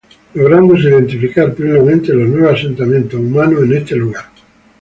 Lográndose identificar plenamente nueve asentamientos humanos en este lugar.